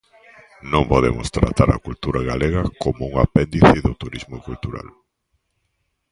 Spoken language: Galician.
Non podemos tratar a cultura galega como un apéndice do turismo cultural.